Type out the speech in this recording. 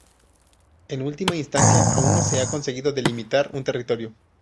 En última instancia, aún no se ha conseguido delimitar un territorio.